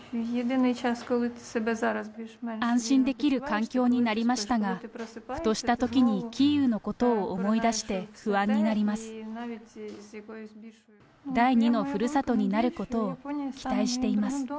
安心できる環境になりましたが、ふとしたときに、キーウのことを思い出して、不安になります。